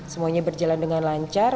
semuanya berjalan dengan lancar